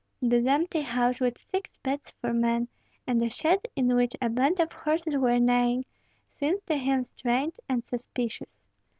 This empty house with six beds for men, and a shed in which a band of horses were neighing, seemed to him strange and suspicious.